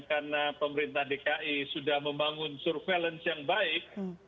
karena pemerintah dki sudah membangun surveillance yang baik